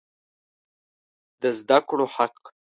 د زده کړو حق